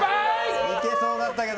いけそうだったけど。